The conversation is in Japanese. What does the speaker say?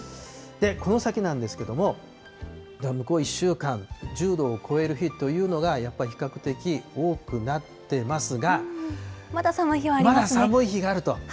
この先なんですけれども、向こう１週間、１０度を超える日というのが、やっぱり比較的多くなってまだ寒い日はありますね。